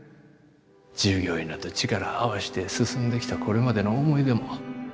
従業員らと力合わして進んできたこれまでの思い出も。